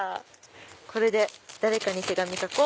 これで誰かに手紙書こう！